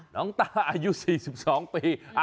น้องตาอายุ๔๒ปี